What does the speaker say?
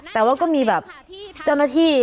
แต่ว่าก็มีแบบเจ้าหน้าที่